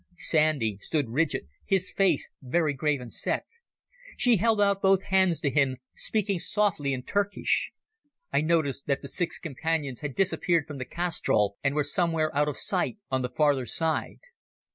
Sandy stood rigid, his face very grave and set. She held out both hands to him, speaking softly in Turkish. I noticed that the six Companions had disappeared from the castrol and were somewhere out of sight on the farther side.